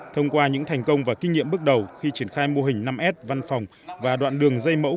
thông qua những thành công và kinh nghiệm bước đầu khi triển khai mô hình năm s văn phòng và đoạn đường dây mẫu